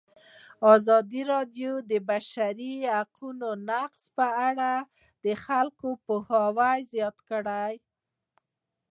ازادي راډیو د د بشري حقونو نقض په اړه د خلکو پوهاوی زیات کړی.